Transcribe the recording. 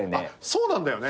そうなんだよね。